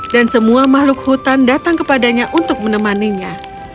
dan semua makhluk hutan datang kepadanya untuk menemaninya